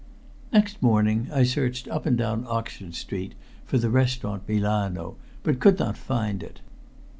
Next morning I searched up and down Oxford Street for the Restaurant Milano, but could not find it.